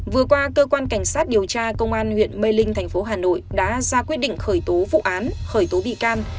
vừa qua cơ quan cảnh sát điều tra công an huyện mê linh thành phố hà nội đã ra quyết định khởi tố vụ án khởi tố bị can